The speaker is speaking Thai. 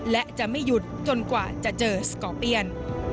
และจะไม่หยุดจนกว่าจะเจอสกอร์เปียน